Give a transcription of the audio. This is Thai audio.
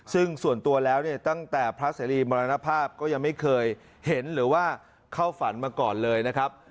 ซึ่งส่วนตัวแล้วเนี่ยตั้งแต่พระเสรีมรณภาพก็ยังไม่เคยเห็นหรือว่าเข้าฝันมาก่อนเลยนะครับ